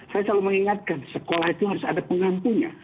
saya selalu mengingatkan sekolah itu harus ada pengampunya